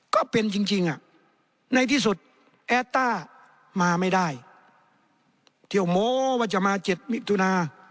ก็เป็นจริงในที่สุดแอดต้ามาไม่ได้เที่ยวโม้ว่าจะมา๗มิถุนา